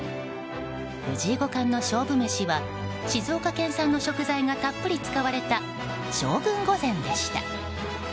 藤井五冠の勝負メシは静岡県産の食材がたっぷり使われた将軍御膳でした。